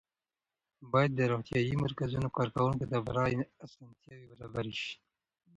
باید د روغتیایي مرکزونو کارکوونکو ته پوره اسانتیاوې برابرې شي.